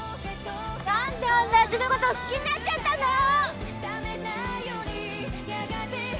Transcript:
「何であんなやつのこと好きになっちゃったんだろ！」